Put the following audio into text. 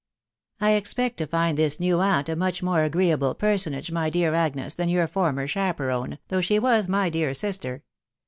u I expect to find this new aunt a much more agreeable personage, my dear Agnes, than your former chaperon, though she was my dear sister